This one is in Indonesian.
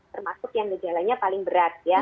termasuk yang gejalanya paling berat ya